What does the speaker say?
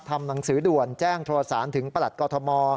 ทำหนังสือด่วนแจ้งโทรสารถึงประหลัดกอทม